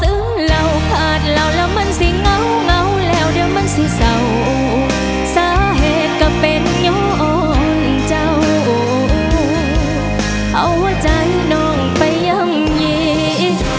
เอาอาจารย์น้องไปยังเหยียด